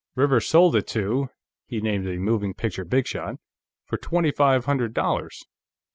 "Rivers sold it to," he named a moving picture bigshot "for twenty five hundred dollars.